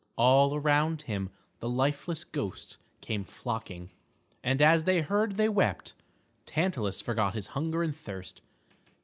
All around him the lifeless ghosts came flocking, and as they heard they wept. Tantalus forgot his hunger and thirst.